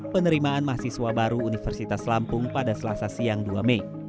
penerimaan mahasiswa baru universitas lampung pada selasa siang dua mei